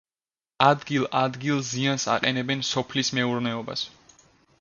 ადგილ-ადგილ ზიანს აყენებენ სოფლის მეურნეობას.